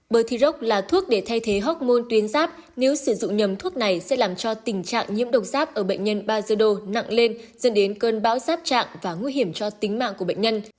bơ thi rốc là thuốc để thay thế học môn tuyến giáp nếu sử dụng nhầm thuốc này sẽ làm cho tình trạng nhiễm độc giáp ở bệnh nhân bai ra đầu nặng lên dẫn đến cơn bão giáp trạng và nguy hiểm cho tính mạng của bệnh nhân